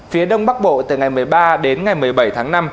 phía đông bắc bộ từ ngày một mươi ba đến ngày một mươi bảy tháng năm